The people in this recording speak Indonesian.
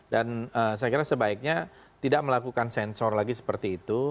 dan saya kira sebaiknya tidak melakukan sensor lagi seperti itu